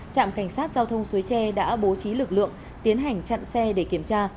trạm cảnh sát giao thông suối tre đã bố trí lực lượng tiến hành chặn xe để kiểm tra